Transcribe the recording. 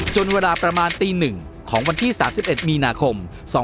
เวลาประมาณตี๑ของวันที่๓๑มีนาคม๒๕๖